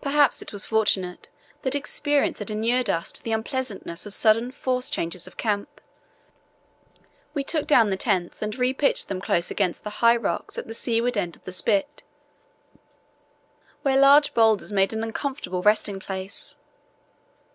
Perhaps it was fortunate that experience had inured us to the unpleasantness of sudden forced changes of camp. We took down the tents and re pitched them close against the high rocks at the seaward end of the spit, where large boulders made an uncomfortable resting place.